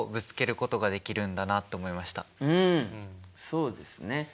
そうですね。